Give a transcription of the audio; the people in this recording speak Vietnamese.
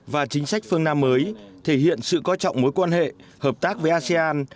và chính sách phương nam mới thể hiện sự coi trọng mối quan hệ hợp tác với asean